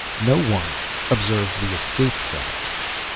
No one observed the escape from it.